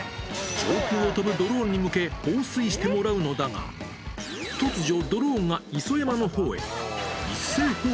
上空を飛ぶドローンに向け放水してもらうのだが、突如、ドローンが磯山のほうへ。